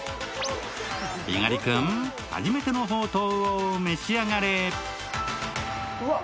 猪狩君、初めてのほうとうを召し上がれ。